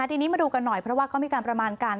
ทีนี้มาดูกันหน่อยเพราะว่าเขามีการประมาณการ